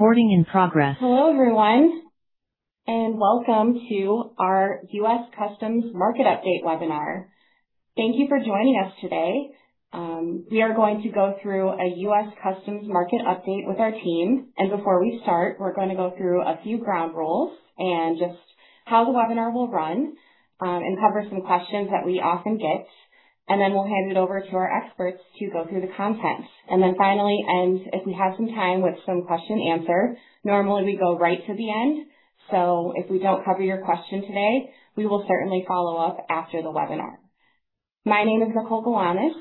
Hello, everyone, and welcome to our U.S. Customs Market Update webinar. Thank you for joining us today. We are going to go through a U.S. Customs Market Update with our team. Before we start, we're going to go through a few ground rules and just how the webinar will run, cover some questions that we often get, then we'll hand it over to our experts to go through the content. Finally, end, if we have some time, with some question and answer. Normally, we go right to the end, so if we don't cover your question today, we will certainly follow up after the webinar. My name is Nicole Galanis.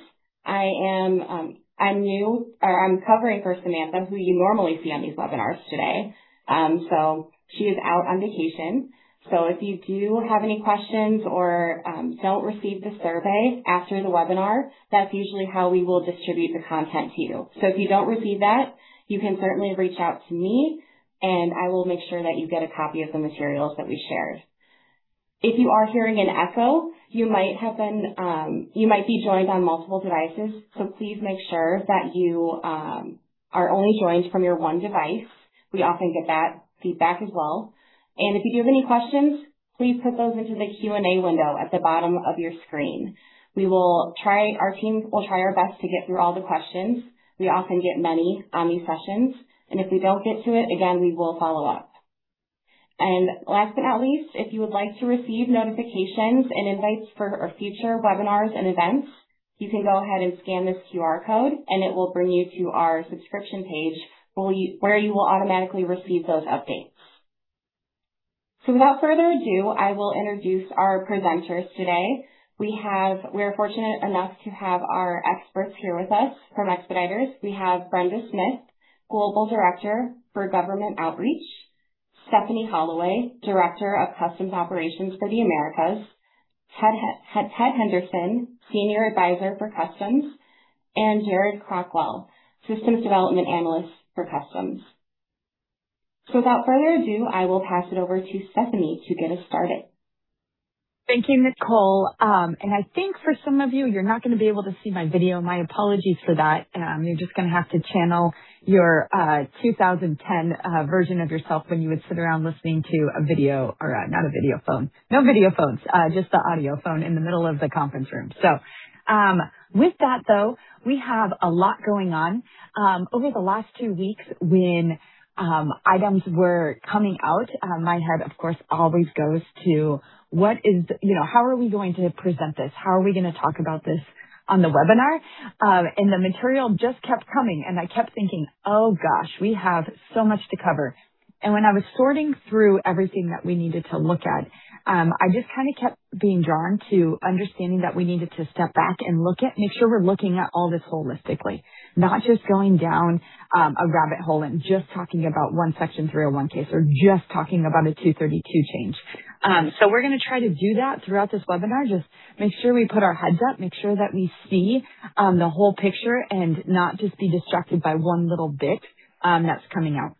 I'm new, or I'm covering for Samantha, who you normally see on these webinars today. She is out on vacation. If you do have any questions or don't receive the survey after the webinar, that's usually how we will distribute the content to you. If you don't receive that, you can certainly reach out to me, and I will make sure that you get a copy of the materials that we shared. If you are hearing an echo, you might be joined on multiple devices, so please make sure that you are only joined from your one device. We often get that feedback as well. If you do have any questions, please put those into the Q&A window at the bottom of your screen. Our teams will try our best to get through all the questions. We often get many on these sessions, and if we don't get to it, again, we will follow up. Last but not least, if you would like to receive notifications and invites for our future webinars and events, you can go ahead and scan this QR code, and it will bring you to our subscription page where you will automatically receive those updates. Without further ado, I will introduce our presenters today. We are fortunate enough to have our experts here with us from Expeditors. We have Brenda Smith, Global Director for Government Outreach; Stephanie Holloway, Director of Customs Operations for the Americas; Ted Henderson, Senior Advisor for Customs; and Jared Cockrell, Systems Development Analyst for Customs. Without further ado, I will pass it over to Stephanie to get us started. Thank you, Nicole. I think for some of you're not going to be able to see my video. My apologies for that. You're just going to have to channel your 2010 version of yourself when you would sit around listening to a video or, not a video phone. No video phones, just the audio phone in the middle of the conference room. With that, though, we have a lot going on. Over the last two weeks when items were coming out, my head, of course, always goes to, how are we going to present this? How are we going to talk about this on the webinar? The material just kept coming, and I kept thinking, oh, gosh, we have so much to cover. When I was sorting through everything that we needed to look at, I just kept being drawn to understanding that we needed to step back and make sure we're looking at all this holistically, not just going down a rabbit hole and just talking about one Section 301 case or just talking about a 232 change. We're going to try to do that throughout this webinar. Just make sure we put our heads up, make sure that we see the whole picture, and not just be distracted by one little bit that's coming out.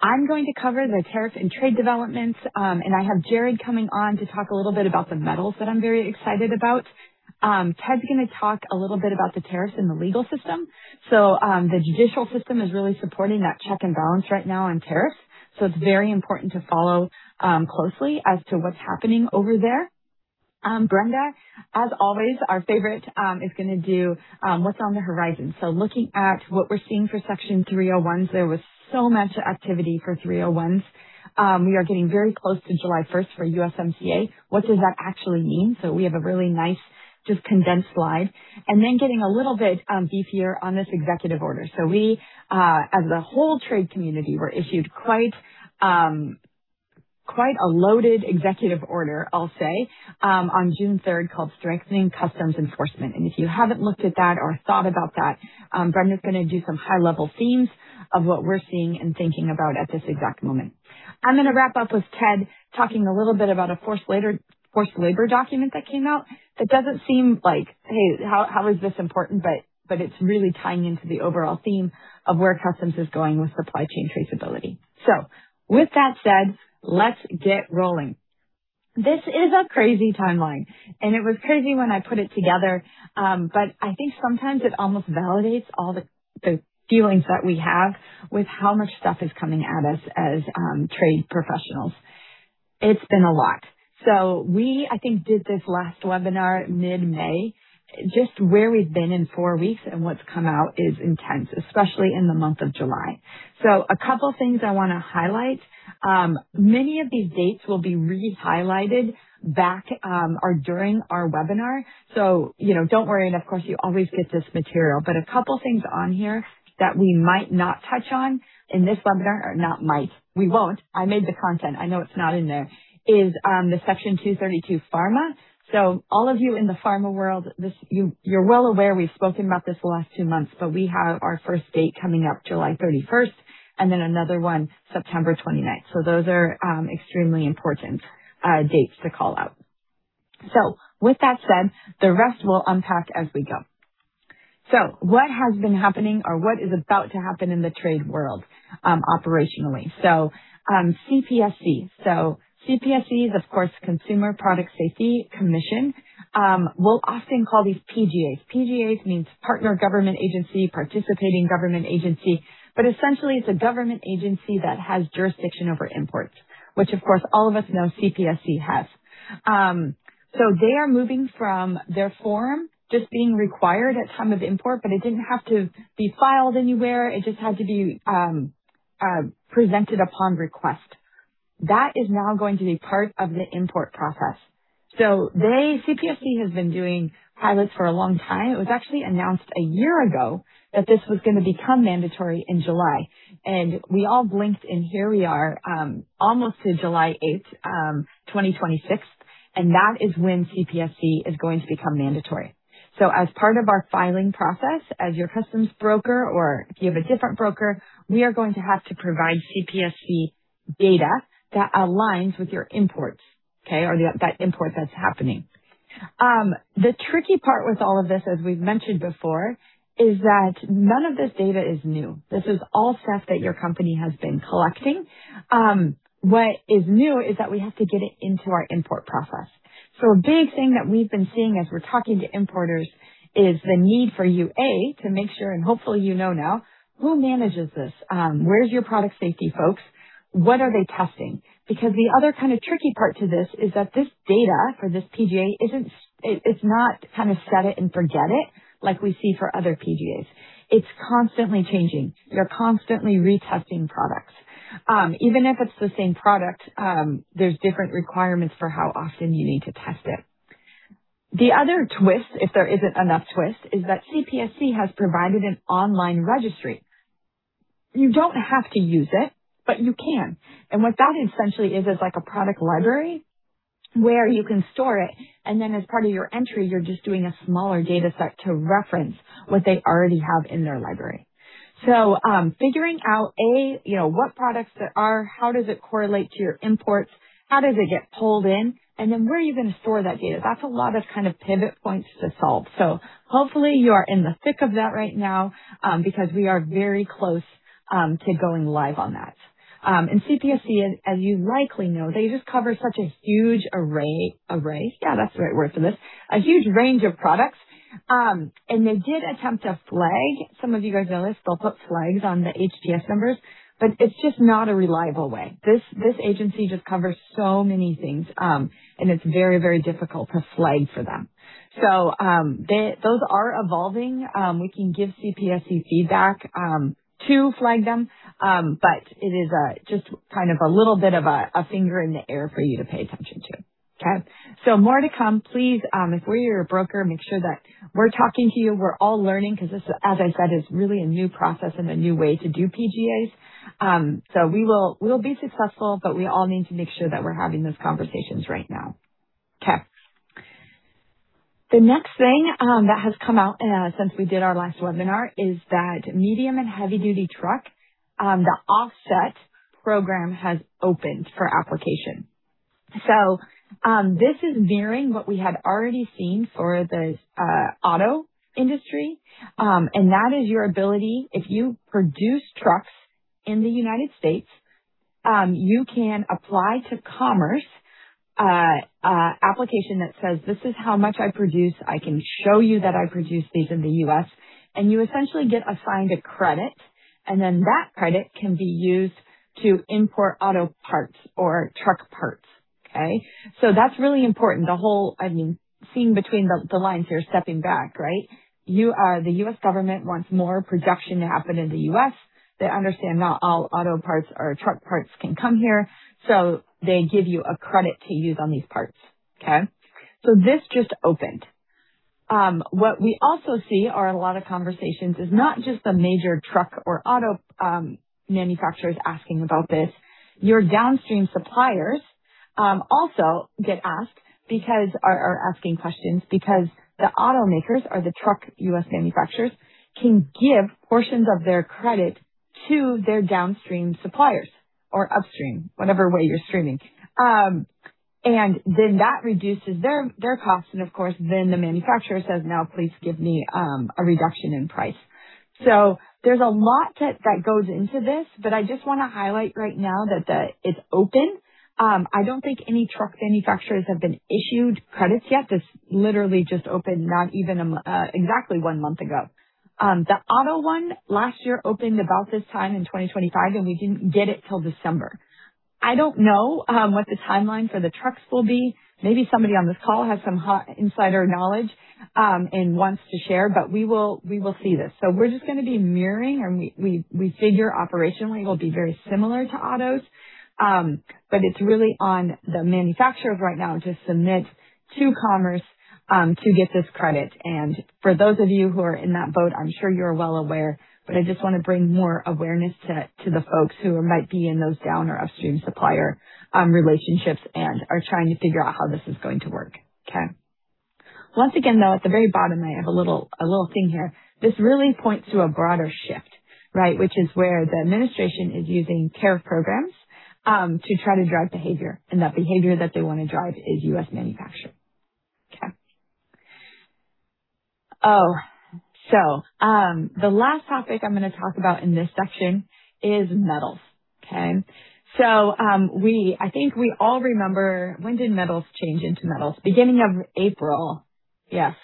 I'm going to cover the tariff and trade developments. I have Jared coming on to talk a little bit about the metals that I'm very excited about. Ted's going to talk a little bit about the tariffs and the legal system. The judicial system is really supporting that check and balance right now on tariffs, so it's very important to follow closely as to what's happening over there. Brenda, as always, our favorite, is going to do what's on the horizon. Looking at what we're seeing for Section 301s. There was so much activity for 301s. We are getting very close to July 1st for USMCA. What does that actually mean? We have a really nice, just condensed slide. Then getting a little bit beefier on this executive order. We, as a whole trade community, were issued quite a loaded executive order, I'll say, on June 3rd called Strengthening Customs Enforcement. If you haven't looked at that or thought about that, Brenda's going to do some high-level themes of what we're seeing and thinking about at this exact moment. I'm going to wrap up with Ted talking a little bit about a forced labor document that came out that doesn't seem like, hey, how is this important? It's really tying into the overall theme of where customs is going with supply chain traceability. With that said, let's get rolling. This is a crazy timeline, it was crazy when I put it together. I think sometimes it almost validates all the feelings that we have with how much stuff is coming at us as trade professionals. It's been a lot. We, I think, did this last webinar mid-May. Just where we've been in 4 weeks and what's come out is intense, especially in the month of July. A couple things I want to highlight. Many of these dates will be re-highlighted back or during our webinar, so don't worry. Of course, you always get this material. A couple things on here that we might not touch on in this webinar are not might, we won't. I made the content. I know it's not in there is the Section 232 Pharma. All of you in the pharma world, you're well aware we've spoken about this the last two months, but we have our first date coming up July 31st and then another one September 29th. Those are extremely important dates to call out. With that said, the rest will unpack as we go. What has been happening or what is about to happen in the trade world operationally? CPSC. CPSC is, of course, Consumer Product Safety Commission. We'll often call these PGAs. PGAs means partner government agency, participating government agency. Essentially it's a government agency that has jurisdiction over imports, which of course, all of us know CPSC has. They are moving from their form just being required at time of import, but it didn't have to be filed anywhere. It just had to be presented upon request. That is now going to be part of the import process. CPSC has been doing pilots for a long time. It was actually announced a year ago that this was going to become mandatory in July, and we all blinked, and here we are, almost to July 8, 2026, and that is when CPSC is going to become mandatory. As part of our filing process, as your customs broker or if you have a different broker, we are going to have to provide CPSC data that aligns with your imports. Okay? Or that import that's happening. The tricky part with all of this, as we've mentioned before, is that none of this data is new. This is all stuff that your company has been collecting. What is new is that we have to get it into our import process. A big thing that we've been seeing as we're talking to importers is the need for you, A, to make sure, and hopefully you know now, who manages this? Where's your product safety folks? What are they testing? Because the other kind of tricky part to this is that this data for this PGA, it's not kind of set it and forget it like we see for other PGAs. It's constantly changing. They're constantly retesting products. Even if it's the same product, there's different requirements for how often you need to test it. The other twist, if there isn't enough twist, is that CPSC has provided an online registry. You don't have to use it, but you can. What that essentially is like a product library where you can store it, and then as part of your entry, you're just doing a smaller data set to reference what they already have in their library. Figuring out, A, what products there are, how does it correlate to your imports, how does it get pulled in, and then where are you going to store that data? That's a lot of kind of pivot points to solve. Hopefully you are in the thick of that right now, because we are very close to going live on that. CPSC, as you likely know, they just cover such a huge array. Array, yeah, that's the right word for this. A huge range of products. They did attempt to flag. Some of you guys know this. They'll put flags on the HTS numbers, it's just not a reliable way. This agency just covers so many things, and it's very, very difficult to flag for them. Those are evolving. We can give CPSC feedback to flag them. It is just kind of a little bit of a finger in the air for you to pay attention to. Okay? More to come. Please, if we're your broker, make sure that we're talking to you. We're all learning because this, as I said, is really a new process and a new way to do PGAs. We'll be successful, but we all need to make sure that we're having those conversations right now. Okay. The next thing that has come out since we did our last webinar is that medium and heavy duty truck, the offset program has opened for application. This is mirroring what we had already seen for the auto industry. That is your ability, if you produce trucks in the U.S., you can apply to Commerce. Application that says, "This is how much I produce. I can show you that I produce these in the U.S." You essentially get assigned a credit, and then that credit can be used to import auto parts or truck parts. Okay? That's really important. I mean, seeing between the lines here, stepping back, right? The U.S. government wants more production to happen in the U.S. They understand not all auto parts or truck parts can come here. They give you a credit to use on these parts. Okay? This just opened. What we also see are a lot of conversations is not just the major truck or auto manufacturers asking about this. Your downstream suppliers also are asking questions because the automakers or the truck U.S. manufacturers can give portions of their credit to their downstream suppliers or upstream, whatever way you're streaming. Then that reduces their cost, and of course, then the manufacturer says, "Now please give me a reduction in price." There's a lot that goes into this. I just want to highlight right now that it's open. I don't think any truck manufacturers have been issued credits yet. This literally just opened not even exactly one month ago. The auto one last year opened about this time in 2025, and we didn't get it till December. I don't know what the timeline for the trucks will be. Maybe somebody on this call has some insider knowledge and wants to share. We will see this. We're just going to be mirroring, and we figure operationally we'll be very similar to autos. It's really on the manufacturers right now to submit to Commerce to get this credit. For those of you who are in that boat, I'm sure you're well aware, but I just want to bring more awareness to the folks who might be in those down or upstream supplier relationships and are trying to figure out how this is going to work. Okay. Once again, though, at the very bottom, I have a little thing here. This really points to a broader shift, right? Which is where the administration is using tariff programs to try to drive behavior. That behavior that they want to drive is U.S. manufacture. Okay. The last topic I'm going to talk about in this section is metals. Okay. I think we all remember, when did metals change into metals? Beginning of April. Yes.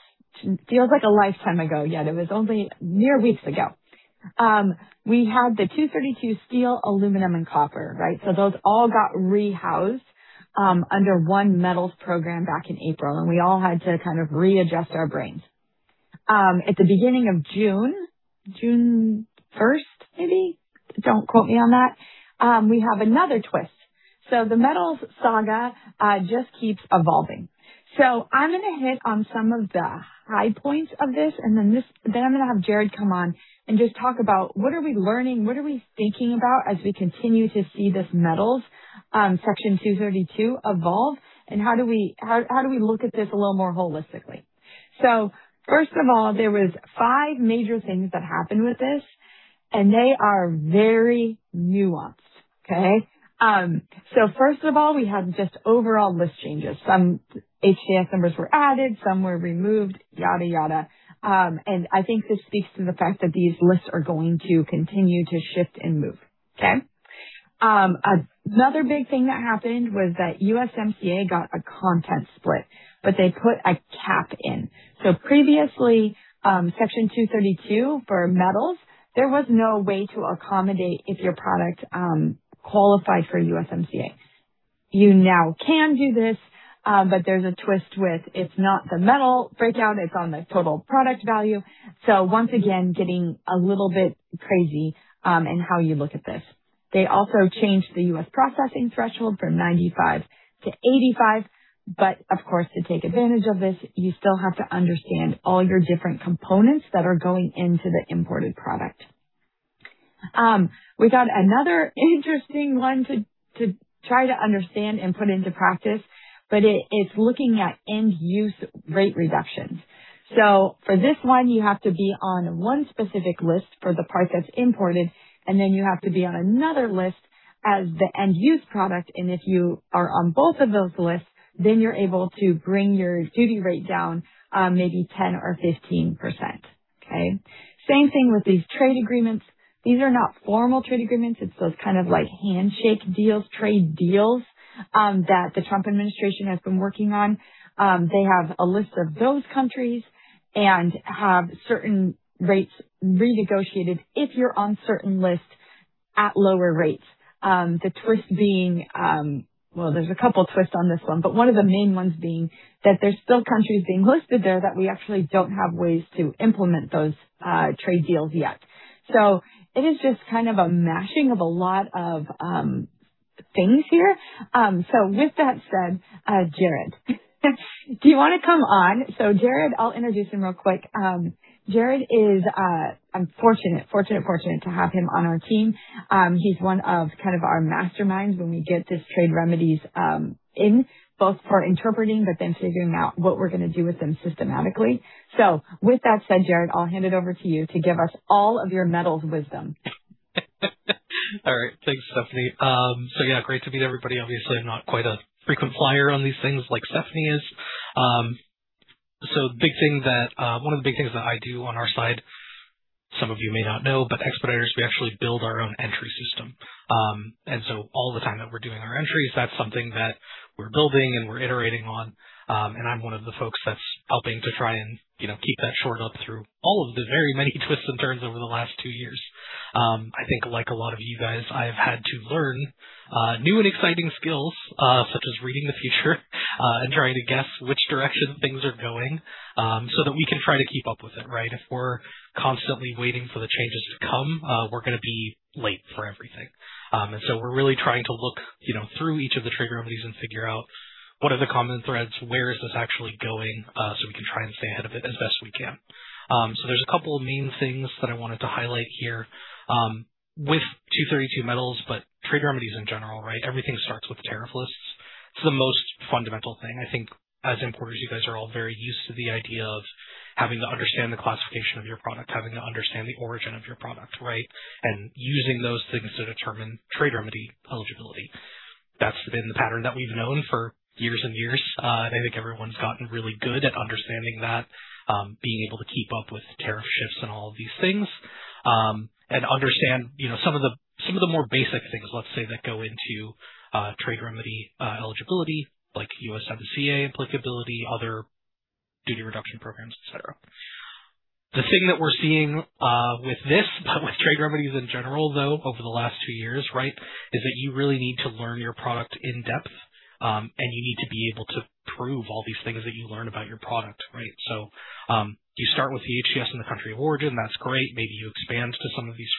Feels like a lifetime ago yet it was only mere weeks ago. We had the 232 steel, aluminum, and copper. Those all got rehoused under one metals program back in April, and we all had to kind of readjust our brains. At the beginning of June 1st, maybe, don't quote me on that, we have another twist. The metals saga just keeps evolving. I'm going to hit on some of the high points of this, and then I'm going to have Jared come on and just talk about what are we learning, what are we thinking about as we continue to see this metals Section 232 evolve, and how do we look at this a little more holistically? First of all, there was five major things that happened with this, and they are very nuanced. Okay. First of all, we had just overall list changes. Some HTS numbers were added, some were removed, yada. I think this speaks to the fact that these lists are going to continue to shift and move. Okay. Another big thing that happened was that USMCA got a content split, but they put a cap in. Previously, Section 232 for metals, there was no way to accommodate if your product qualified for USMCA. You now can do this, but there's a twist with it's not the metal breakdown, it's on the total product value. Once again, getting a little bit crazy in how you look at this. They also changed the U.S. processing threshold from 95 to 85. Of course, to take advantage of this, you still have to understand all your different components that are going into the imported product. We got another interesting one to try to understand and put into practice, but it's looking at end use rate reductions. For this one, you have to be on one specific list for the part that's imported, and then you have to be on another list as the end use product and if you are on both of those lists, then you're able to bring your duty rate down maybe 10 or 15%. Okay. Same thing with these trade agreements. These are not formal trade agreements. It's those kind of like handshake deals, trade deals that the Trump administration has been working on. They have a list of those countries and have certain rates renegotiated if you're on certain lists at lower rates. The twist being, well, there's a couple twists on this one, but one of the main ones being that there's still countries being listed there that we actually don't have ways to implement those trade deals yet. It is just kind of a mashing of a lot of things here. With that said, Jared, do you want to come on? Jared, I'll introduce him real quick. Jared is I'm fortunate to have him on our team. He's one of kind of our masterminds when we get these trade remedies in both for interpreting, but then figuring out what we're going to do with them systematically. With that said, Jared, I'll hand it over to you to give us all of your metals wisdom. All right. Thanks, Stephanie. Yeah, great to meet everybody. Obviously, I'm not quite a frequent flyer on these things like Stephanie is. One of the big things that I do on our side, some of you may not know, but Expeditors, we actually build our own entry system. All the time that we're doing our entries, that's something that we're building and we're iterating on. I'm one of the folks that's helping to try and keep that shored up through all of the very many twists and turns over the last two years. I think like a lot of you guys, I've had to learn new and exciting skills, such as reading the future and trying to guess which direction things are going, so that we can try to keep up with it, right? If we're constantly waiting for the changes to come, we're going to be late for everything. We're really trying to look through each of the trade remedies and figure out what are the common threads, where is this actually going, so we can try and stay ahead of it as best we can. There's a couple of main things that I wanted to highlight here. With 232 metals, but trade remedies in general, everything starts with tariff lists. It's the most fundamental thing. I think as importers, you guys are all very used to the idea of having to understand the classification of your product, having to understand the origin of your product, right? Using those things to determine trade remedy eligibility. That's been the pattern that we've known for years and years. I think everyone's gotten really good at understanding that, being able to keep up with tariff shifts and all of these things, and understand some of the more basic things, let's say, that go into trade remedy eligibility, like USMCA applicability, other duty reduction programs, et cetera. The thing that we're seeing with this, but with trade remedies in general, though, over the last two years, is that you really need to learn your product in-depth, and you need to be able to prove all these things that you learn about your product, right? You start with the HTS and the country of origin, that's great. Maybe you expand to some of these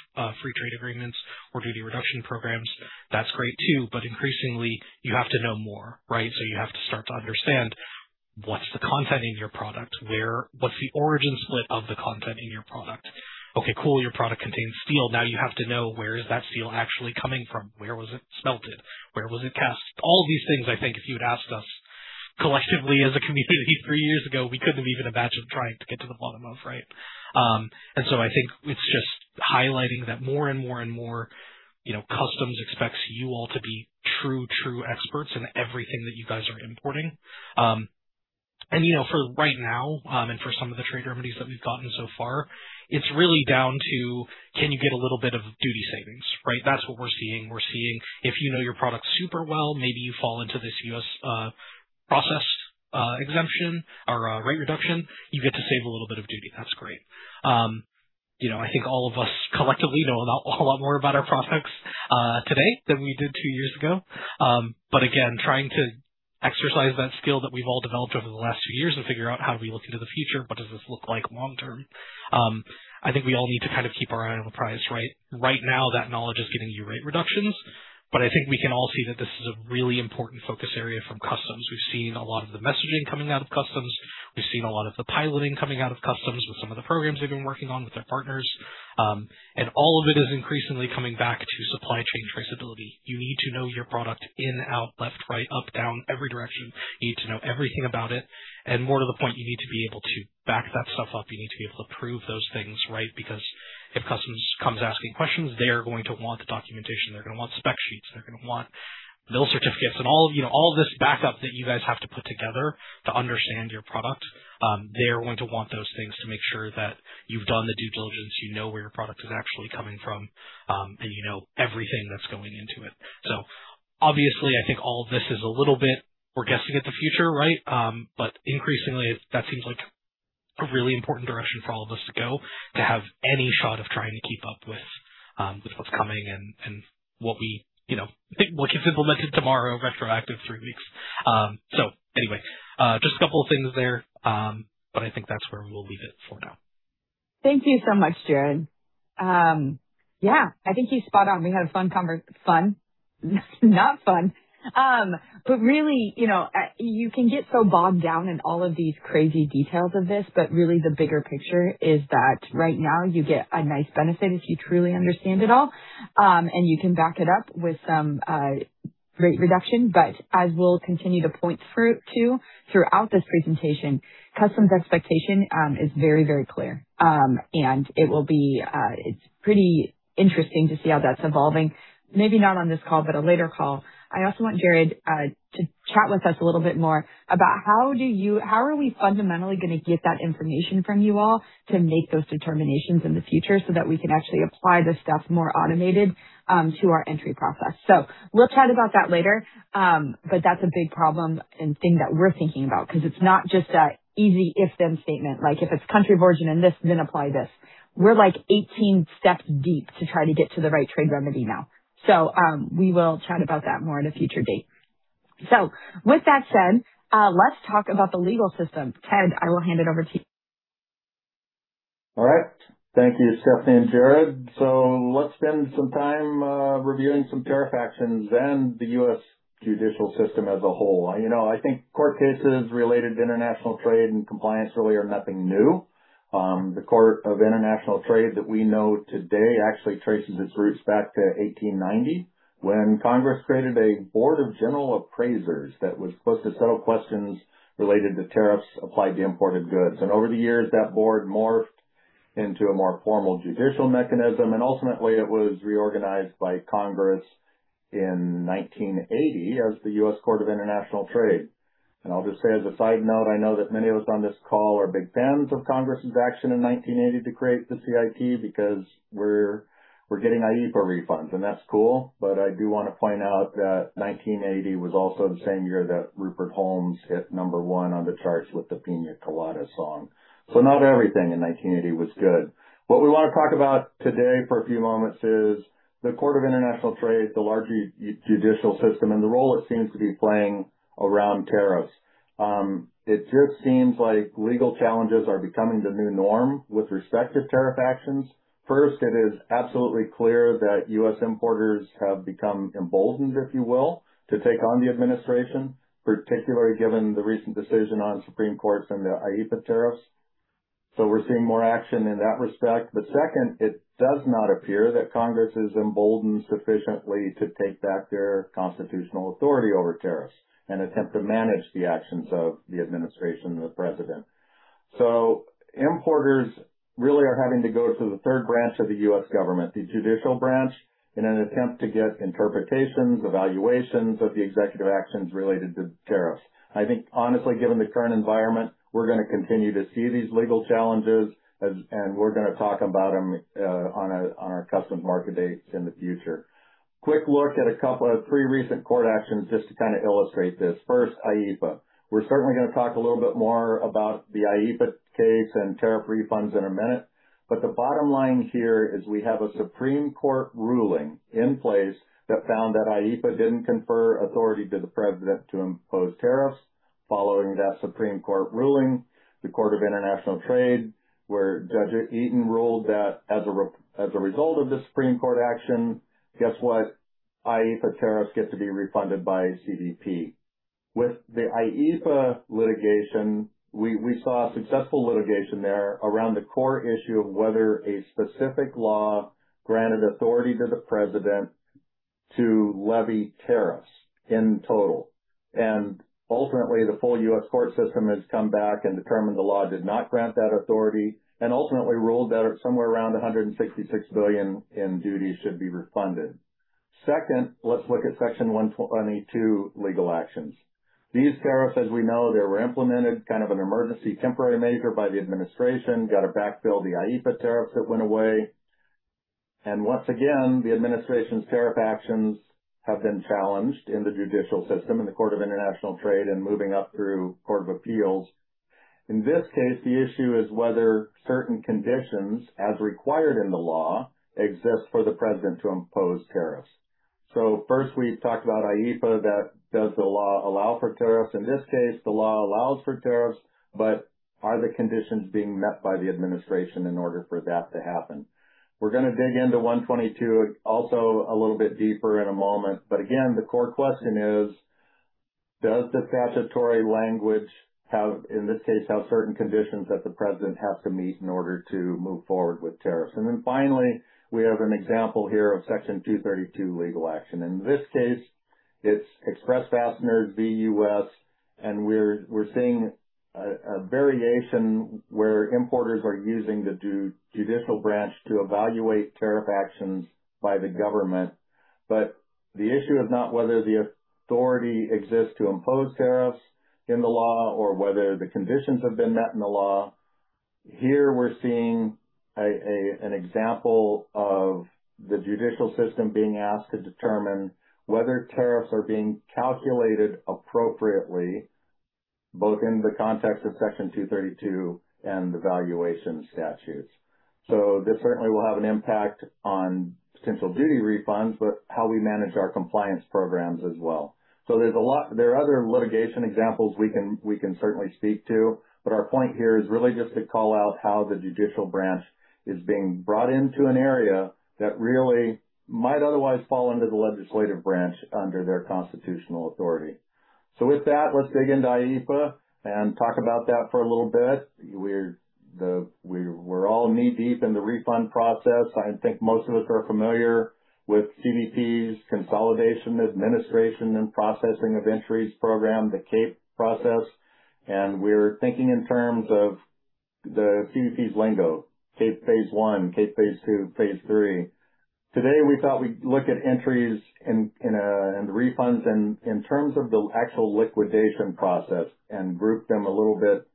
free trade agreements or duty reduction programs. That's great, too. Increasingly, you have to know more. You have to start to understand what's the content in your product. What's the origin split of the content in your product? Okay, cool, your product contains steel. Now you have to know where is that steel actually coming from? Where was it smelted? Where was it cast? All of these things, I think if you had asked us collectively as a community three years ago, we couldn't have even imagined trying to get to the bottom of, right? I think it's just highlighting that more and more and more, Customs expects you all to be true experts in everything that you guys are importing. For right now, and for some of the trade remedies that we've gotten so far, it's really down to can you get a little bit of duty savings, right? That's what we're seeing. We're seeing if you know your product super well, maybe you fall into this U.S. process exemption or rate reduction, you get to save a little bit of duty. That's great. I think all of us collectively know a lot more about our products today than we did two years ago. Again, trying to exercise that skill that we've all developed over the last few years and figure out how do we look into the future, what does this look like long term. I think we all need to keep our eye on the prize, right? Right now, that knowledge is getting you rate reductions. I think we can all see that this is a really important focus area from customs. We've seen a lot of the messaging coming out of customs. We've seen a lot of the piloting coming out of customs with some of the programs they've been working on with their partners. All of it is increasingly coming back to supply chain traceability. You need to know your product in, out, left, right, up, down, every direction. You need to know everything about it. More to the point, you need to be able to back that stuff up. You need to be able to prove those things, right? Because if customs comes asking questions, they are going to want the documentation, they're going to want spec sheets, they're going to want [bill] certificates and all this backup that you guys have to put together to understand your product. They are going to want those things to make sure that you've done the due diligence, you know where your product is actually coming from, and you know everything that's going into it. Obviously, I think all of this is a little bit, we're guessing at the future, right? Increasingly, that seems like a really important direction for all of us to go to have any shot of trying to keep up with what's coming and what gets implemented tomorrow, retroactive three weeks. Anyway, just a couple of things there. I think that's where we'll leave it for now. Thank you so much, Jared. Yeah, I think he's spot on. We had a fun, not fun. Really, you can get so bogged down in all of these crazy details of this, but really the bigger picture is that right now you get a nice benefit if you truly understand it all, and you can back it up with some rate reduction. As we'll continue to point to throughout this presentation, customs expectation is very clear. It's pretty interesting to see how that's evolving. Maybe not on this call, but a later call. I also want Jared to chat with us a little bit more about how are we fundamentally going to get that information from you all to make those determinations in the future so that we can actually apply this stuff more automated to our entry process. We'll chat about that later. That's a big problem and thing that we're thinking about because it's not just an easy if then statement, like if it's country of origin and this, then apply this. We're like 18 steps deep to try to get to the right trade remedy now. We will chat about that more at a future date. With that said, let's talk about the legal system. Ted, I will hand it over to you. All right. Thank you, Stephanie and Jared. Let's spend some time reviewing some tariff actions and the U.S. judicial system as a whole. I think court cases related to international trade and compliance really are nothing new. The Court of International Trade that we know today actually traces its roots back to 1890, when Congress created a Board of General Appraisers that was supposed to settle questions related to tariffs applied to imported goods. Over the years, that board morphed into a more formal judicial mechanism, and ultimately it was reorganized by Congress in 1980 as the U.S. Court of International Trade. I'll just say as a side note, I know that many of us on this call are big fans of Congress's action in 1980 to create the CIT because we're getting IEEPA refunds, and that's cool. I do want to point out that 1980 was also the same year that Rupert Holmes hit number 1 on the charts with the "Piña Colada" song. Not everything in 1980 was good. What we want to talk about today for a few moments is the Court of International Trade, the larger judicial system, and the role it seems to be playing around tariffs. It just seems like legal challenges are becoming the new norm with respect to tariff actions. First, it is absolutely clear that U.S. importers have become emboldened, if you will, to take on the administration, particularly given the recent decision on Supreme Court and the IEEPA tariffs. We're seeing more action in that respect. Second, it does not appear that Congress is emboldened sufficiently to take back their constitutional authority over tariffs and attempt to manage the actions of the administration and the President. Importers really are having to go to the third branch of the U.S. government, the judicial branch, in an attempt to get interpretations, evaluations of the executive actions related to tariffs. I think honestly, given the current environment, we're going to continue to see these legal challenges, and we're going to talk about them on our customs market dates in the future. Quick look at a couple of pre-recent court actions just to illustrate this. First, IEEPA. We're certainly going to talk a little bit more about the IEEPA case and tariff refunds in a minute. The bottom line here is we have a Supreme Court ruling in place that found that IEEPA didn't confer authority to the President to impose tariffs. Following that Supreme Court ruling, the Court of International Trade, where Judge Eaton ruled that as a result of the Supreme Court action, guess what? IEEPA tariffs get to be refunded by CBP. With the IEEPA litigation, we saw a successful litigation there around the core issue of whether a specific law granted authority to the President to levy tariffs in total. Ultimately, the full U.S. court system has come back and determined the law did not grant that authority and ultimately ruled that somewhere around $166 billion in duty should be refunded. Second, let's look at Section 122 legal actions. These tariffs, as we know, they were implemented, kind of an emergency temporary measure by the administration, got to backfill the IEEPA tariffs that went away. Once again, the administration's tariff actions have been challenged in the judicial system, in the Court of International Trade, and moving up through Court of Appeals. In this case, the issue is whether certain conditions, as required in the law, exist for the President to impose tariffs. First, we talked about IEEPA, does the law allow for tariffs? Are the conditions being met by the administration in order for that to happen? We're going to dig into 122 also a little bit deeper in a moment. Again, the core question is, does the statutory language, in this case, have certain conditions that the President has to meet in order to move forward with tariffs? Finally, we have an example here of Section 232 legal action. In this case, it's Express Fasteners v. U.S., and we're seeing a variation where importers are using the judicial branch to evaluate tariff actions by the government. The issue is not whether the authority exists to impose tariffs in the law or whether the conditions have been met in the law. Here we're seeing an example of the judicial system being asked to determine whether tariffs are being calculated appropriately, both in the context of Section 232 and the valuation statutes. This certainly will have an impact on potential duty refunds, but how we manage our compliance programs as well. There are other litigation examples we can certainly speak to, but our point here is really just to call out how the judicial branch is being brought into an area that really might otherwise fall under the legislative branch under their constitutional authority. With that, let's dig into IEEPA and talk about that for a little bit. We're all knee-deep in the refund process. I think most of us are familiar with CBP's Consolidated Administration and Processing of Entries program, the CAPE process, and we're thinking in terms of the CBP's lingo, CAPE phase 1, CAPE phase 2, phase 3. Today, we thought we'd look at entries and refunds in terms of the actual liquidation process and group them a little bit,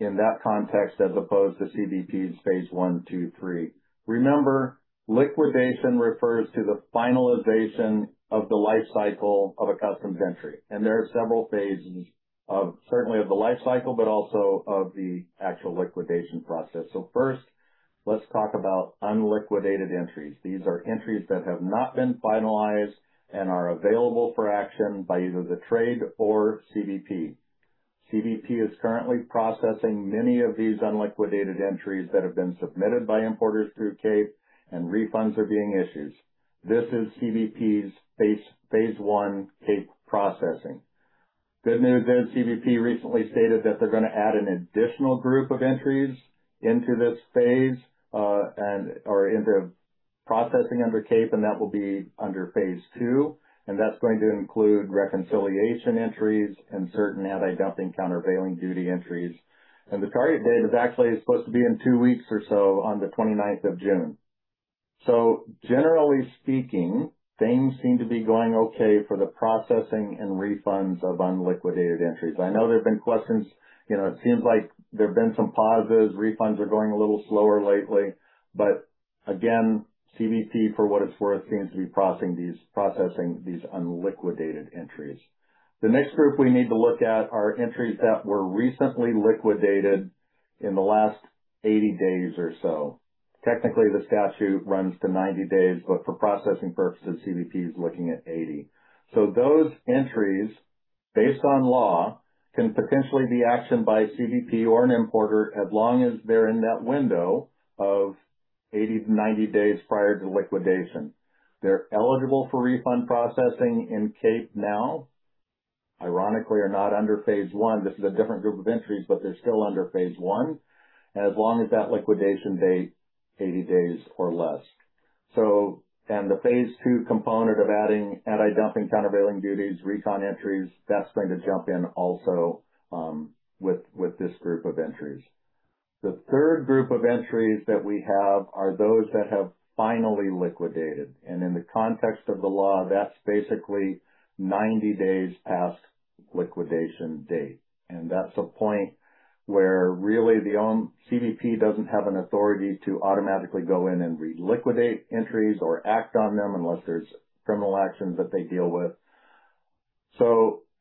in that context, as opposed to CBP's phase 1, 2, 3. Remember, liquidation refers to the finalization of the life cycle of a customs entry. There are several phases, certainly of the life cycle, but also of the actual liquidation process. First, let's talk about unliquidated entries. These are entries that have not been finalized and are available for action by either the trade or CBP. CBP is currently processing many of these unliquidated entries that have been submitted by importers through CAPE, and refunds are being issued. This is CBP's phase 1 CAPE processing. Good news there, CBP recently stated that they're going to add an additional group of entries into this phase, or into processing under CAPE, and that will be under phase 2, and that's going to include reconciliation entries and certain antidumping countervailing duty entries. The target date is actually supposed to be in two weeks or so on the 29th of June. Generally speaking, things seem to be going okay for the processing and refunds of unliquidated entries. I know there's been questions. It seems like there have been some pauses. Refunds are going a little slower lately. Again, CBP, for what it's worth, seems to be processing these unliquidated entries. The next group we need to look at are entries that were recently liquidated in the last 80 days or so. Technically, the statute runs to 90 days, but for processing purposes, CBP is looking at 80. Those entries, based on law, can potentially be actioned by CBP or an importer as long as they're in that window of 80-90 days prior to liquidation. They're eligible for refund processing in CAPE now, ironically, are not under phase 1. This is a different group of entries, but they're still under phase 1 as long as that liquidation date, 80 days or less. The phase 2 component of adding antidumping countervailing duties, recon entries, that's going to jump in also with this group of entries. The third group of entries that we have are those that have finally liquidated, and in the context of the law, that's basically 90 days past liquidation date. That's a point where really CBP doesn't have an authority to automatically go in and reliquidate entries or act on them unless there's criminal actions that they deal with.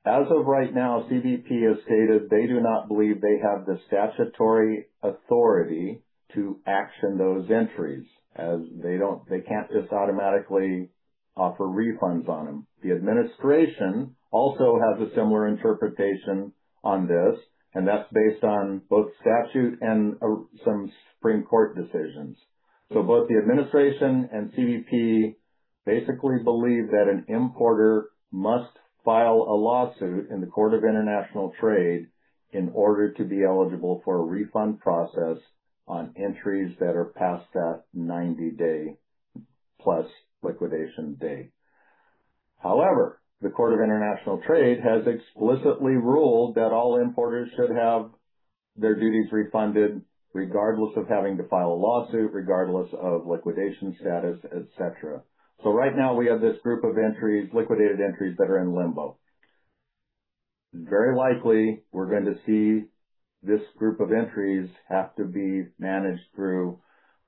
As of right now, CBP has stated they do not believe they have the statutory authority to action those entries as they can't just automatically offer refunds on them. The administration also has a similar interpretation on this, that's based on both statute and some Supreme Court decisions. Both the administration and CBP basically believe that an importer must file a lawsuit in the Court of International Trade in order to be eligible for a refund process on entries that are past that 90-day plus liquidation date. However, the Court of International Trade has explicitly ruled that all importers should have their duties refunded regardless of having to file a lawsuit, regardless of liquidation status, et cetera. Right now we have this group of entries, liquidated entries, that are in limbo. Very likely, we're going to see this group of entries have to be managed through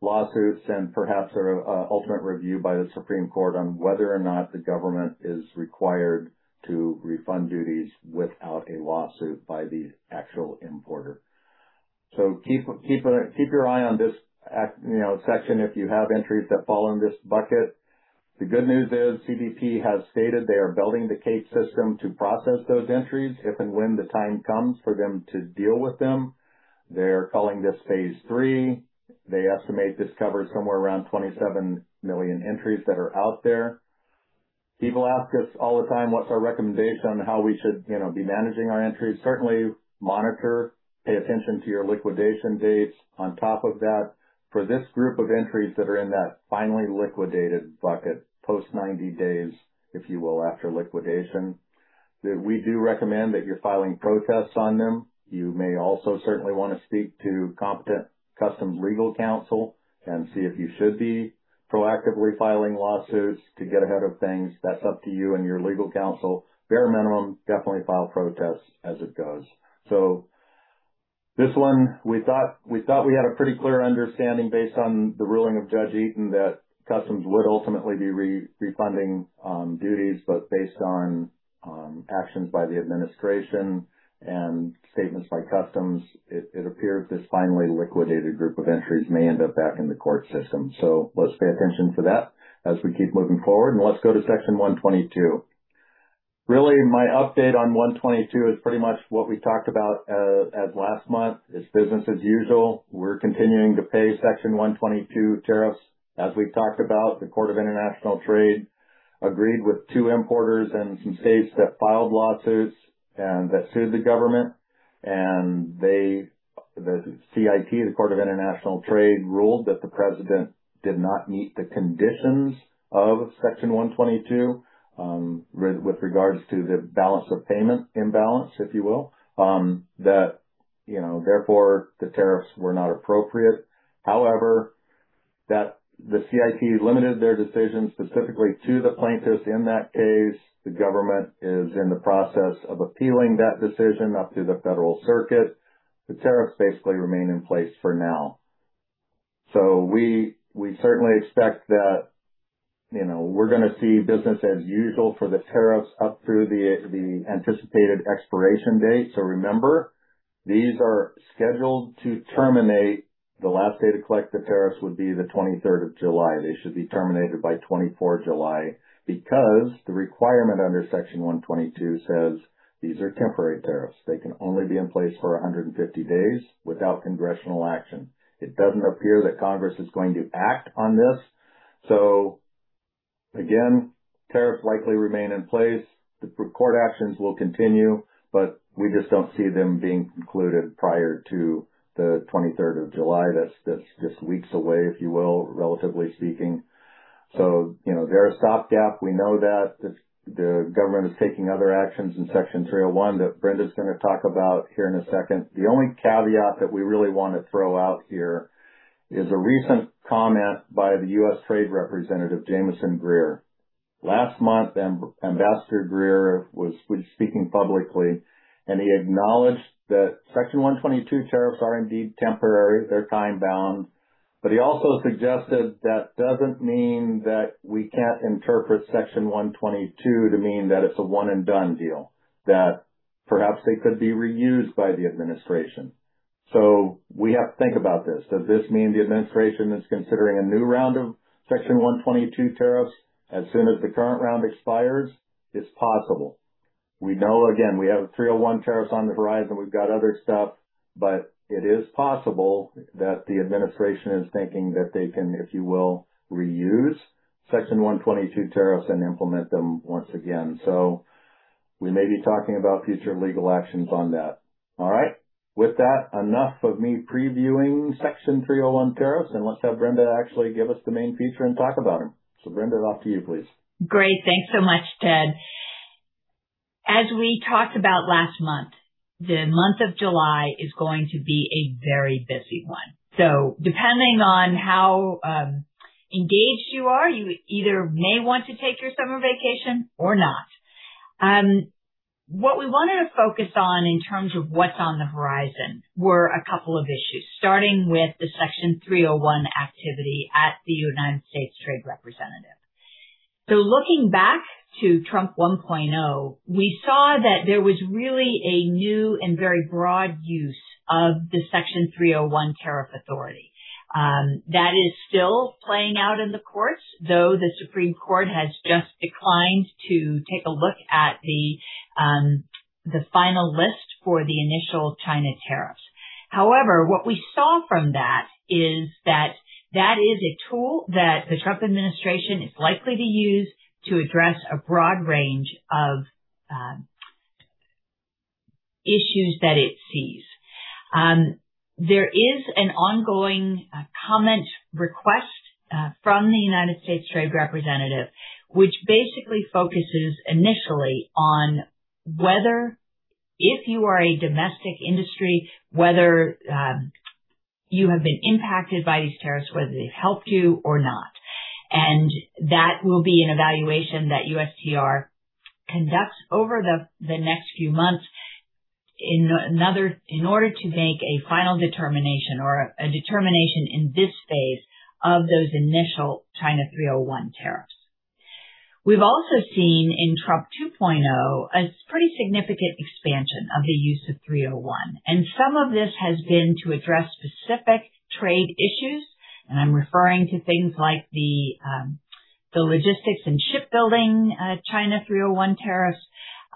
lawsuits and perhaps an ultimate review by the Supreme Court on whether or not the government is required to refund duties without a lawsuit by the actual importer. Keep your eye on this section if you have entries that fall in this bucket. The good news is CBP has stated they are building the CAPE system to process those entries if and when the time comes for them to deal with them. They're calling this phase 3. They estimate this covers somewhere around 27 million entries that are out there. People ask us all the time what's our recommendation on how we should be managing our entries. Certainly, monitor, pay attention to your liquidation dates on top of that. For this group of entries that are in that finally liquidated bucket, post 90 days, if you will, after liquidation, that we do recommend that you're filing protests on them. You may also certainly want to speak to competent customs legal counsel and see if you should be proactively filing lawsuits to get ahead of things. That's up to you and your legal counsel. Bare minimum, definitely file protests as it goes. This one we thought we had a pretty clear understanding based on the ruling of Judge Eaton that customs would ultimately be refunding duties but based on actions by the administration and statements by customs, it appears this finally liquidated group of entries may end up back in the court system. Let's pay attention to that as we keep moving forward and let's go to Section 122. My update on 122 is pretty much what we talked about as last month. It's business as usual. We're continuing to pay Section 122 tariffs as we've talked about. The Court of International Trade agreed with two importers and some states that filed lawsuits and that sued the government. The CIT, the Court of International Trade, ruled that the president did not meet the conditions of Section 122 with regards to the balance of payment imbalance, if you will, that therefore the tariffs were not appropriate. However, the CIT limited their decision specifically to the plaintiffs in that case. The government is in the process of appealing that decision up through the federal circuit. The tariffs basically remain in place for now. We certainly expect that we're going to see business as usual for the tariffs up through the anticipated expiration date. Remember, these are scheduled to terminate. The last day to collect the tariffs would be the 23rd of July. They should be terminated by 24 July because the requirement under Section 122 says these are temporary tariffs. They can only be in place for 150 days without congressional action. It doesn't appear that Congress is going to act on this. Again, tariffs likely remain in place. The court actions will continue, but we just don't see them being concluded prior to the 23rd of July. That's just weeks away, if you will, relatively speaking. They're a stopgap. We know that. The government is taking other actions in Section 301 that Brenda's going to talk about here in a second. The only caveat that we really want to throw out here is a recent comment by the U.S. Trade Representative, Jamieson Greer. Last month, Ambassador Greer was speaking publicly, and he acknowledged that Section 122 tariffs are indeed temporary. They're time-bound. He also suggested that doesn't mean that we can't interpret Section 122 to mean that it's a one-and-done deal, that perhaps they could be reused by the administration. We have to think about this. Does this mean the administration is considering a new round of Section 122 tariffs as soon as the current round expires? It's possible. We know, again, we have 301 tariffs on the horizon. We've got other stuff, but it is possible that the administration is thinking that they can, if you will, reuse Section 122 tariffs and implement them once again. We may be talking about future legal actions on that. All right. With that, enough of me previewing Section 301 tariffs, let's have Brenda actually give us the main feature and talk about them. Brenda, off to you, please. Great. Thanks so much, Ted. As we talked about last month, the month of July is going to be a very busy one. Depending on how engaged you are, you either may want to take your summer vacation or not. What we wanted to focus on in terms of what's on the horizon were a couple of issues, starting with the Section 301 activity at the United States Trade Representative. Looking back to Trump 1.0, we saw that there was really a new and very broad use of the Section 301 tariff authority. That is still playing out in the courts, though the Supreme Court has just declined to take a look at the final list for the initial China tariffs. What we saw from that is that that is a tool that the Trump administration is likely to use to address a broad range of issues that it sees. There is an ongoing comment request from the United States Trade Representative, which basically focuses initially on whether, if you are a domestic industry, you have been impacted by these tariffs, whether they've helped you or not. That will be an evaluation that USTR conducts over the next few months in order to make a final determination or a determination in this phase of those initial China 301 tariffs. We've also seen in Trump 2.0 a pretty significant expansion of the use of 301, some of this has been to address specific trade issues, I'm referring to things like the logistics and shipbuilding China 301 tariffs.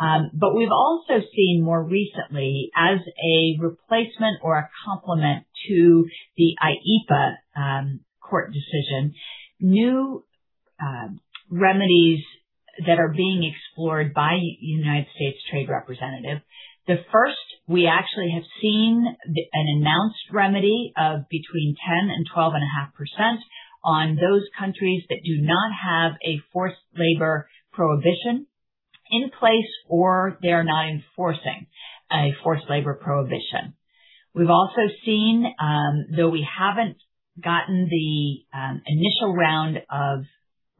We've also seen more recently, as a replacement or a complement to the IEEPA court decision, new remedies that are being explored by the United States Trade Representative. The first, we actually have seen an announced remedy of between 10%-12.5% on those countries that do not have a forced labor prohibition in place, or they're not enforcing a forced labor prohibition. We've also seen, though we haven't gotten the initial round of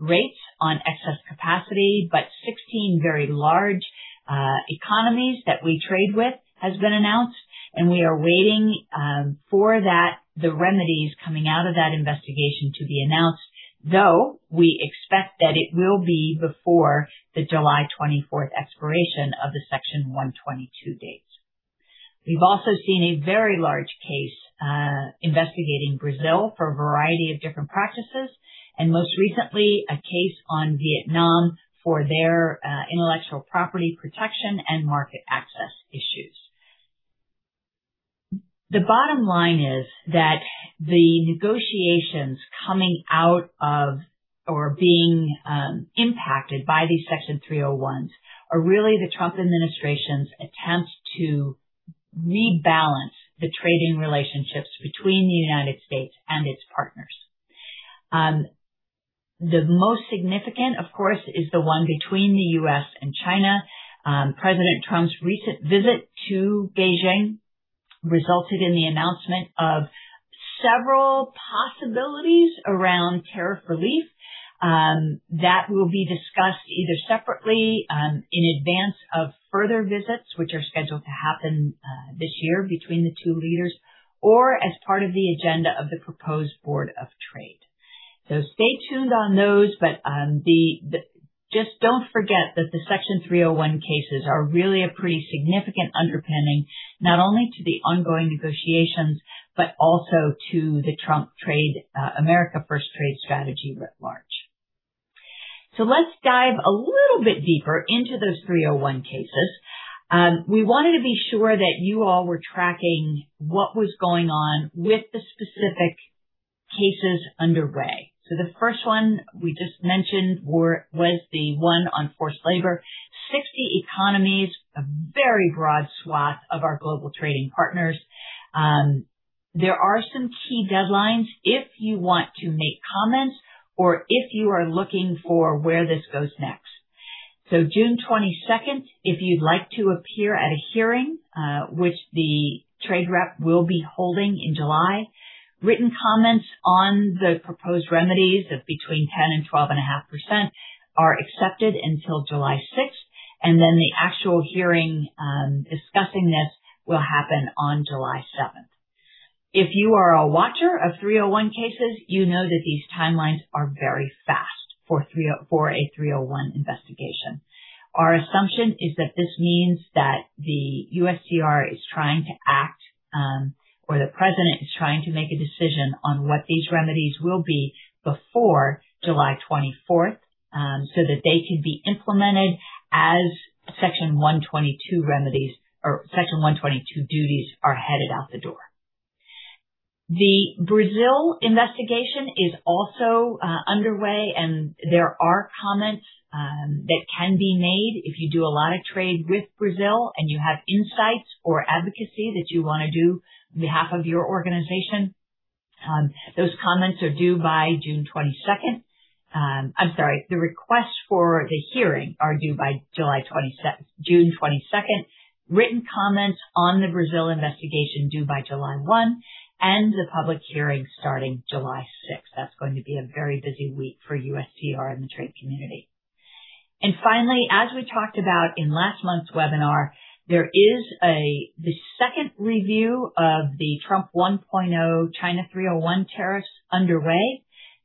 rates on excess capacity, 16 very large economies that we trade with has been announced, we are waiting for the remedies coming out of that investigation to be announced, though we expect that it will be before the July 24th expiration of the Section 122 dates. We've also seen a very large case investigating Brazil for a variety of different practices, most recently a case on Vietnam for their intellectual property protection and market access issues. The bottom line is that the negotiations coming out of or being impacted by these Section 301s are really the Trump administration's attempts to rebalance the trading relationships between the U.S. and its partners. The most significant, of course, is the one between the U.S. and China. President Trump's recent visit to Beijing resulted in the announcement of several possibilities around tariff relief. That will be discussed either separately in advance of further visits, which are scheduled to happen this year between the two leaders or as part of the agenda of the proposed Board of Trade. Stay tuned on those. Just don't forget that the Section 301 cases are really a pretty significant underpinning, not only to the ongoing negotiations, but also to the Trump America First trade strategy writ large. Let's dive a little bit deeper into those Section 301 cases. We wanted to be sure that you all were tracking what was going on with the specific cases underway. The first one we just mentioned was the one on forced labor. 60 economies, a very broad swath of our global trading partners. There are some key deadlines if you want to make comments or if you are looking for where this goes next. June 22nd, if you'd like to appear at a hearing, which the trade rep will be holding in July. Written comments on the proposed remedies of between 10% and 12.5% are accepted until July 6th, then the actual hearing discussing this will happen on July 7th. If you are a watcher of Section 301 cases, you know that these timelines are very fast for a Section 301 investigation. Our assumption is that this means that the USTR is trying to act, or the president is trying to make a decision on what these remedies will be before July 24th, so that they can be implemented as Section 122 duties are headed out the door. The Brazil investigation is also underway, there are comments that can be made if you do a lot of trade with Brazil and you have insights or advocacy that you want to do on behalf of your organization. Those comments are due by June 22nd. I'm sorry. The requests for the hearing are due by June 22nd. Written comments on the Brazil investigation due by July 1, the public hearing starting July 6th. That's going to be a very busy week for USTR and the trade community. Finally, as we talked about in last month's webinar, there is the second review of the Trump 1.0 China Section 301 tariffs underway.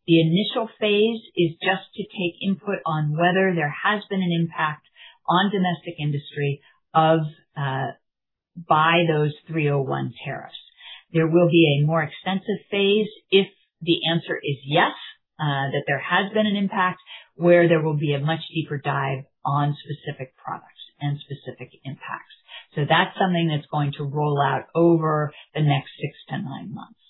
The initial phase is just to take input on whether there has been an impact on domestic industry by those Section 301 tariffs. There will be a more extensive phase if the answer is yes, that there has been an impact, where there will be a much deeper dive on specific products and specific impacts. That's something that's going to roll out over the next six to nine months.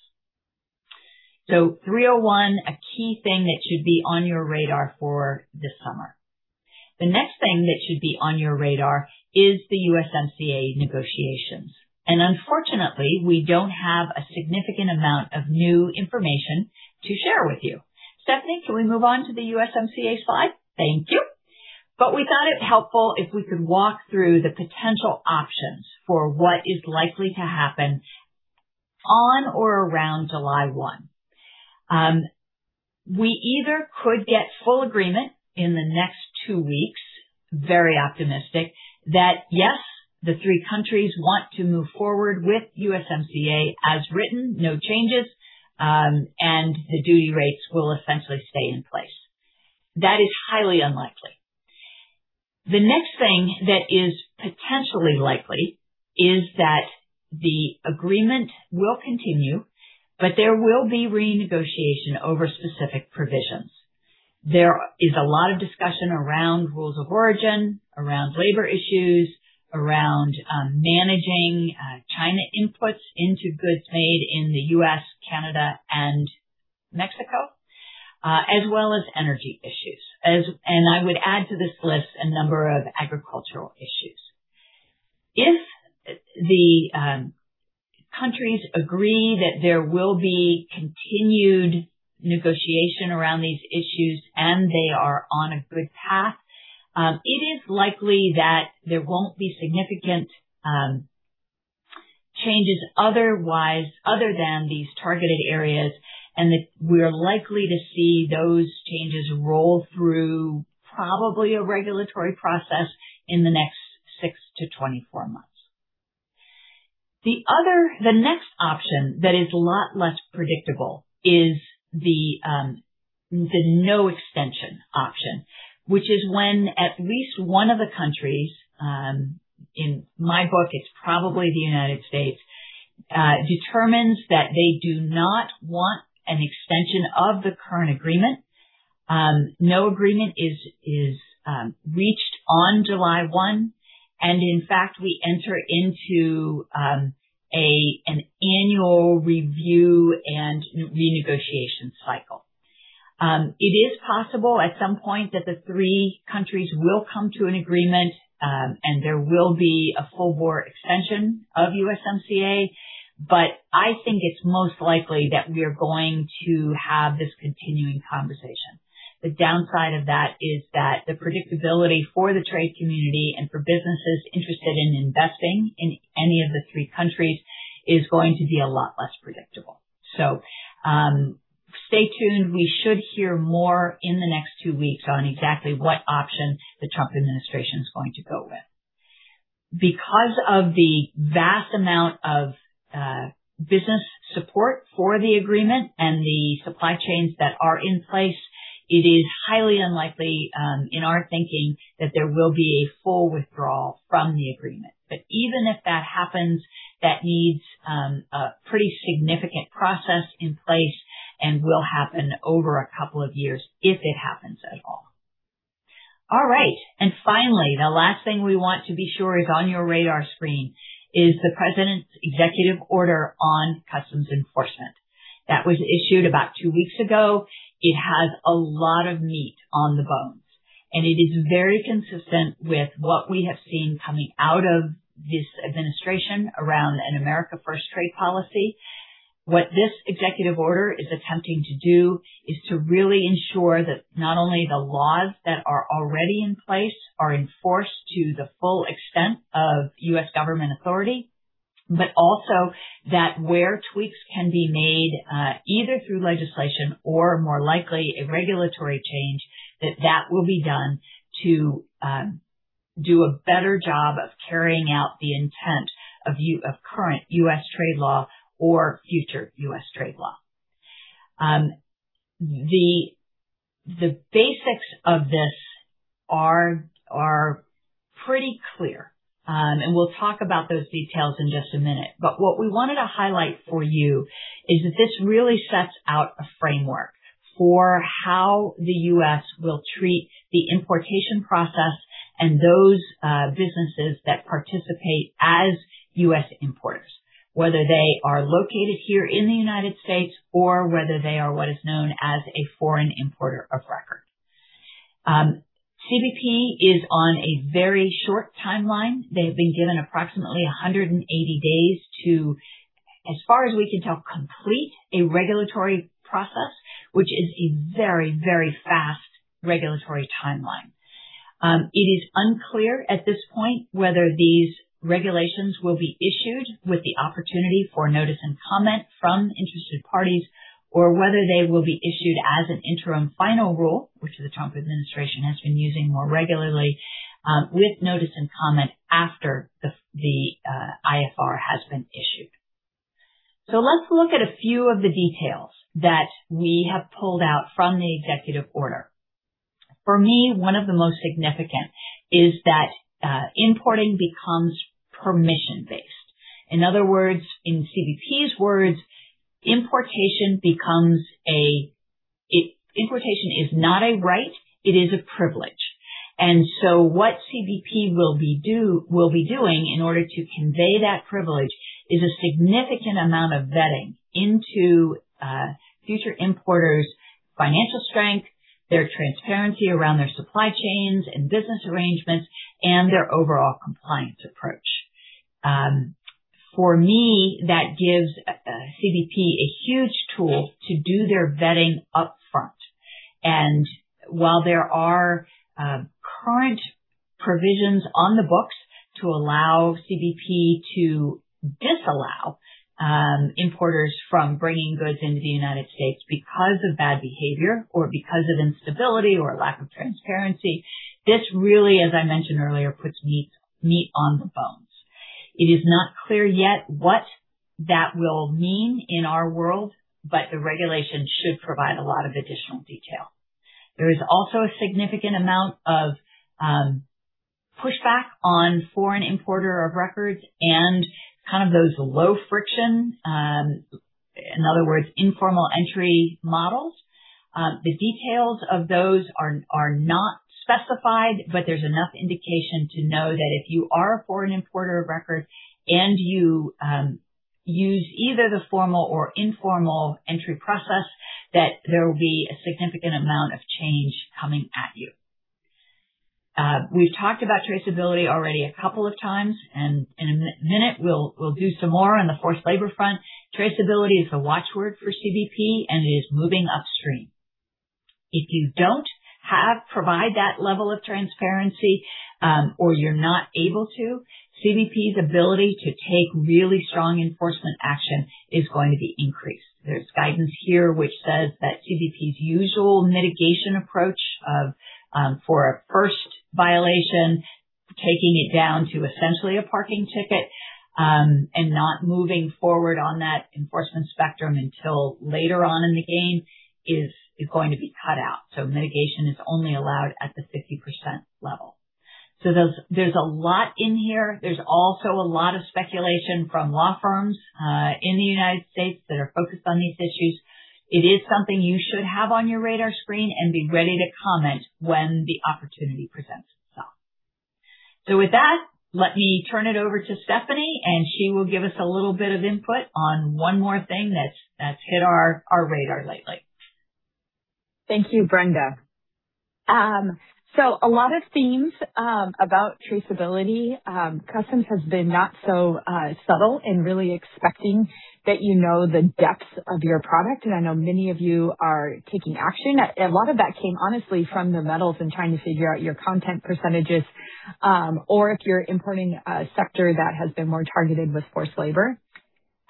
Section 301, a key thing that should be on your radar for this summer. The next thing that should be on your radar is the USMCA negotiations. Unfortunately, we don't have a significant amount of new information to share with you. Stephanie, can we move on to the USMCA slide? Thank you. We thought it helpful if we could walk through the potential options for what is likely to happen on or around July 1. We either could get full agreement in the next two weeks, very optimistic, that, yes, the three countries want to move forward with USMCA as written, no changes, and the duty rates will essentially stay in place. That is highly unlikely. The next thing that is potentially likely is that the agreement will continue, but there will be renegotiation over specific provisions. There is a lot of discussion around rules of origin, around labor issues, around managing China inputs into goods made in the U.S., Canada, and Mexico, as well as energy issues. I would add to this list a number of agricultural issues. If the countries agree that there will be continued negotiation around these issues, and they are on a good path, it is likely that there won't be significant changes otherwise, other than these targeted areas, and that we're likely to see those changes roll through probably a regulatory process in the next six to 24 months. The next option that is a lot less predictable is the no extension option, which is when at least one of the countries, in my book, it's probably the U.S., determines that they do not want an extension of the current agreement. No agreement is reached on July 1, and in fact, we enter into an annual review and renegotiation cycle. It is possible at some point that the 3 countries will come to an agreement, and there will be a full board extension of USMCA, but I think it's most likely that we are going to have this continuing conversation. The downside of that is that the predictability for the trade community and for businesses interested in investing in any of the three countries is going to be a lot less predictable. Stay tuned. We should hear more in the next two weeks on exactly what option the Trump administration is going to go with. Because of the vast amount of business support for the agreement and the supply chains that are in place, it is highly unlikely, in our thinking, that there will be a full withdrawal from the agreement. Even if that happens, that needs a pretty significant process in place and will happen over a couple of years, if it happens at all. All right. Finally, the last thing we want to be sure is on your radar screen is the President's Executive Order on Strengthening Customs Enforcement. That was issued about two weeks ago. It has a lot of meat on the bones, and it is very consistent with what we have seen coming out of this administration around an America First trade policy. What this executive order is attempting to do is to really ensure that not only the laws that are already in place are enforced to the full extent of U.S. government authority, but also that where tweaks can be made, either through legislation or more likely a regulatory change, that that will be done to do a better job of carrying out the intent of current U.S. trade law or future U.S. trade law. The basics of this are pretty clear, and we'll talk about those details in just a minute. What we wanted to highlight for you is that this really sets out a framework for how the U.S. will treat the importation process and those businesses that participate as U.S. importers, whether they are located here in the United States or whether they are what is known as a foreign importer of record. CBP is on a very short timeline. They've been given approximately 180 days to, as far as we can tell, complete a regulatory process, which is a very, very fast regulatory timeline. It is unclear at this point whether these regulations will be issued with the opportunity for notice and comment from interested parties or whether they will be issued as an interim final rule, which the Trump administration has been using more regularly, with notice and comment after the IFR has been issued. Let's look at a few of the details that we have pulled out from the executive order. For me, one of the most significant is that importing becomes permission-based. In other words, in CBP's words, importation is not a right, it is a privilege. What CBP will be doing in order to convey that privilege is a significant amount of vetting into future importers' financial strength, their transparency around their supply chains and business arrangements, and their overall compliance approach. For me, that gives CBP a huge tool to do their vetting upfront. While there are current provisions on the books to allow CBP to disallow importers from bringing goods into the United States because of bad behavior or because of instability or lack of transparency, this really, as I mentioned earlier, puts meat on the bones. It is not clear yet what that will mean in our world, but the regulation should provide a lot of additional detail. There is also a significant amount of pushback on foreign importer of records and kind of those low friction, in other words, informal entry models. The details of those are not specified, but there's enough indication to know that if you are a foreign importer of record and you use either the formal or informal entry process, that there will be a significant amount of change coming at you. We've talked about traceability already a couple of times, and in a minute we'll do some more on the forced labor front. Traceability is a watchword for CBP, and it is moving upstream. If you don't provide that level of transparency, or you're not able to, CBP's ability to take really strong enforcement action is going to be increased. There's guidance here which says that CBP's usual mitigation approach for a first violation, taking it down to essentially a parking ticket, and not moving forward on that enforcement spectrum until later on in the game is going to be cut out. Mitigation is only allowed at the 50% level. There's a lot in here. There's also a lot of speculation from law firms in the United States that are focused on these issues. It is something you should have on your radar screen and be ready to comment when the opportunity presents itself. With that, let me turn it over to Stephanie, and she will give us a little bit of input on one more thing that's hit our radar lately. Thank you, Brenda. A lot of themes about traceability. Customs has been not so subtle in really expecting that you know the depths of your product, and I know many of you are taking action. A lot of that came honestly from the metals and trying to figure out your content percentages, or if you're importing a sector that has been more targeted with forced labor.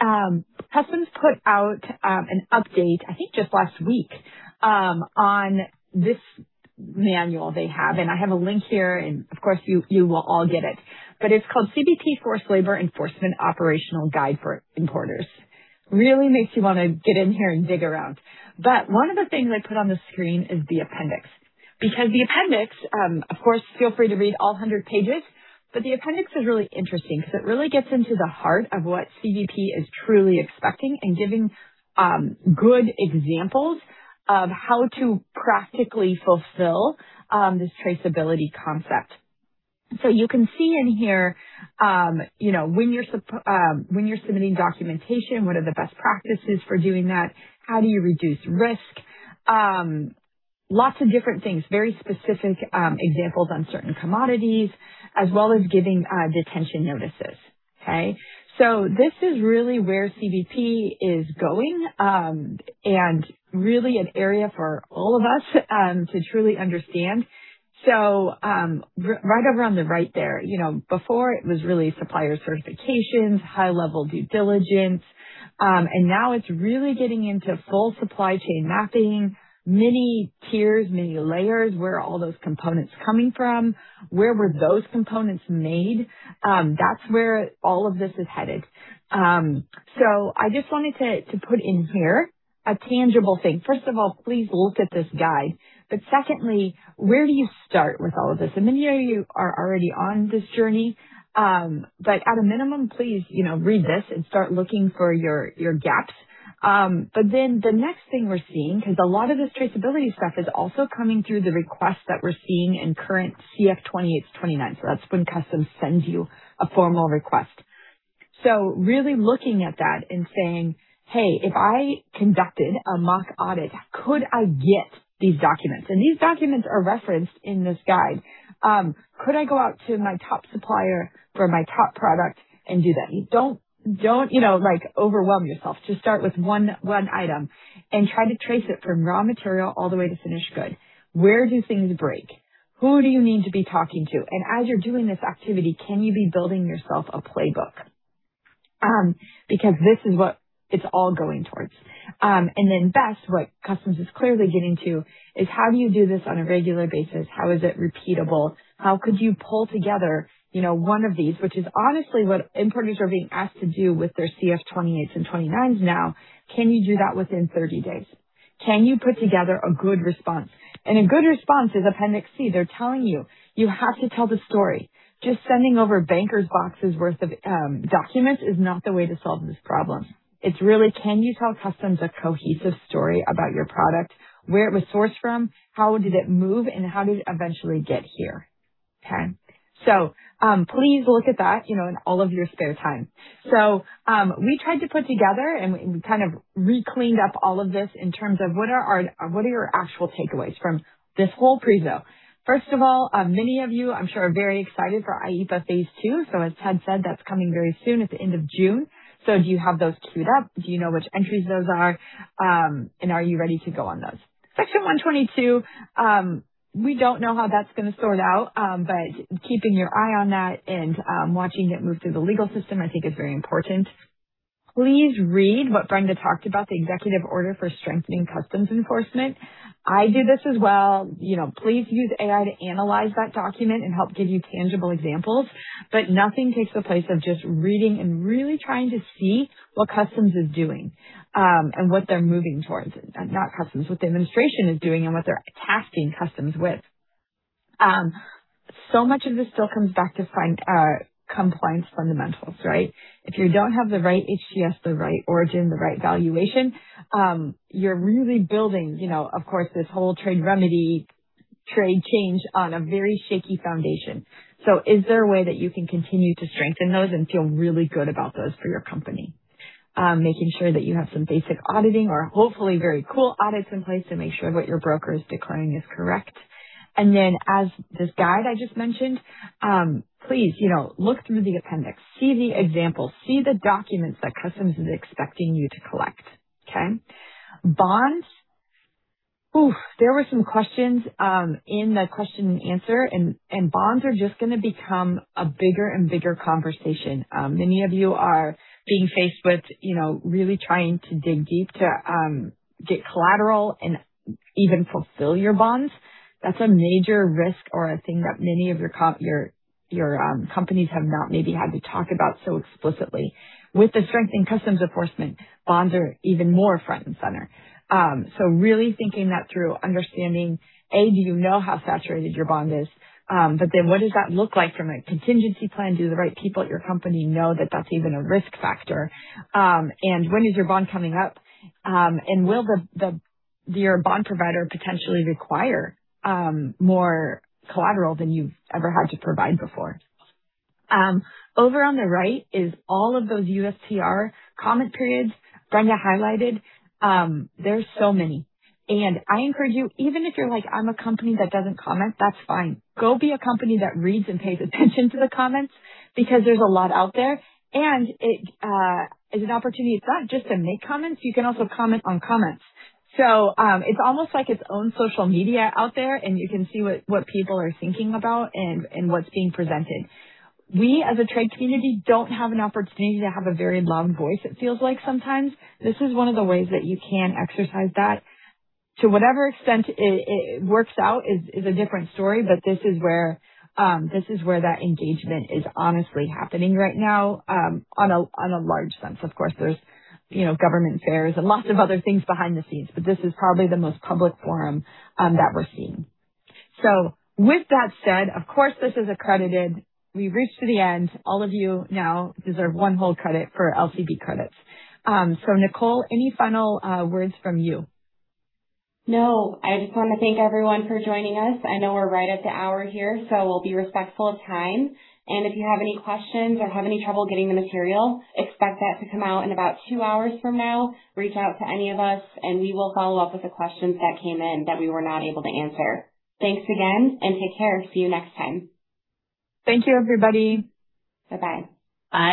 Customs put out an update, I think just last week, on this manual they have, and I have a link here and of course you will all get it, but it's called CBP Forced Labor Enforcement Operational Guidance for Importers. Really makes you want to get in here and dig around. One of the things I put on the screen is the appendix. The appendix, of course feel free to read all 100 pages, the appendix is really interesting because it really gets into the heart of what CBP is truly expecting and giving good examples of how to practically fulfill this traceability concept. You can see in here, when you're submitting documentation, what are the best practices for doing that? How do you reduce risk? Lots of different things. Very specific examples on certain commodities, as well as giving detention notices. Okay? This is really where CBP is going, and really an area for all of us to truly understand. Right over on the right there, before it was really supplier certifications, high-level due diligence, and now it's really getting into full supply chain mapping, many tiers, many layers. Where are all those components coming from? Where were those components made? That's where all of this is headed. I just wanted to put in here a tangible thing. First of all, please look at this guide. Secondly, where do you start with all of this? Many of you are already on this journey. At a minimum, please read this and start looking for your gaps. The next thing we're seeing, because a lot of this traceability stuff is also coming through the requests that we're seeing in current CF-28s, CF-29s. That's when Customs sends you a formal request. Really looking at that and saying, "Hey, if I conducted a mock audit, could I get these documents?" These documents are referenced in this guide. Could I go out to my top supplier for my top product and do that? Don't overwhelm yourself. Just start with one item and try to trace it from raw material all the way to finished good. Where do things break? Who do you need to be talking to? As you're doing this activity, can you be building yourself a playbook? This is what it's all going towards. Then best, what Customs is clearly getting to, is how do you do this on a regular basis? How is it repeatable? How could you pull together one of these, which is honestly what importers are being asked to do with their CF-28s and CF-29s now. Can you do that within 30 days? Can you put together a good response? A good response is Appendix C. They're telling you have to tell the story. Sending over bankers boxes worth of documents is not the way to solve this problem. It's really, can you tell Customs a cohesive story about your product, where it was sourced from, how did it move, and how did it eventually get here? Okay. Please look at that in all of your spare time. We tried to put together and we kind of re-cleaned up all of this in terms of what are your actual takeaways from this whole [pre-show]. First of all, many of you I'm sure are very excited for IEEPA phase two. As Ted said, that's coming very soon at the end of June. Do you have those queued up? Do you know which entries those are? Are you ready to go on those? Section 122, we don't know how that's going to sort out, but keeping your eye on that and watching it move through the legal system I think is very important. Please read what Brenda talked about, the executive order for Strengthening Customs Enforcement. I did this as well. Please use AI to analyze that document and help give you tangible examples. Nothing takes the place of just reading and really trying to see what Customs is doing, and what they're moving towards. Not Customs, what the administration is doing and what they're tasking Customs with. Much of this still comes back to compliance fundamentals, right? If you don't have the right HTS, the right origin, the right valuation, you're really building, of course, this whole trade remedy, trade change on a very shaky foundation. Is there a way that you can continue to strengthen those and feel really good about those for your company? Making sure that you have some basic auditing or hopefully very cool audits in place to make sure what your broker is declaring is correct. Then as this guide I just mentioned, please look through the appendix. See the examples. See the documents that Customs is expecting you to collect. Okay? Bonds. Oof, there were some questions in the question and answer, bonds are just going to become a bigger and bigger conversation. Many of you are being faced with really trying to dig deep to get collateral and even fulfill your bonds. That's a major risk or a thing that many of your companies have not maybe had to talk about so explicitly. With the Strengthening Customs Enforcement, bonds are even more front and center. Really thinking that through, understanding, A, do you know how saturated your bond is? What does that look like from a contingency plan? Do the right people at your company know that that's even a risk factor? When is your bond coming up? Will your bond provider potentially require more collateral than you've ever had to provide before? Over on the right is all of those USTR comment periods Brenda highlighted. There's so many, and I encourage you, even if you're like, I'm a company that doesn't comment, that's fine. Go be a company that reads and pays attention to the comments because there's a lot out there, and it is an opportunity. It's not just to make comments. You can also comment on comments. It's almost like its own social media out there, and you can see what people are thinking about and what's being presented. We as a trade community don't have an opportunity to have a very loud voice, it feels like sometimes. This is one of the ways that you can exercise that. To whatever extent it works out is a different story. This is where that engagement is honestly happening right now on a large sense. Of course, there's government fairs and lots of other things behind the scenes, but this is probably the most public forum that we're seeing. With that said, of course, this is accredited. We've reached to the end. All of you now deserve one whole credit for LCB credits. Nicole, any final words from you? No, I just want to thank everyone for joining us. I know we're right at the hour here, so we'll be respectful of time. If you have any questions or have any trouble getting the material, expect that to come out in about two hours from now. Reach out to any of us and we will follow up with the questions that came in that we were not able to answer. Thanks again and take care. See you next time. Thank you everybody. Bye-bye. Bye.